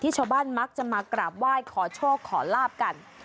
ชาวบ้านมักจะมากราบไหว้ขอโชคขอลาบกัน